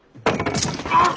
あっ！